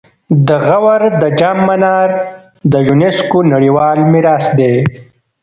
د غور د جام منار د یونسکو نړیوال میراث دی